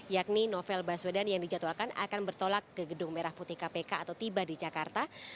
yakni novel baswedan yang dijadwalkan akan bertolak ke gedung merah putih kpk atau tiba di jakarta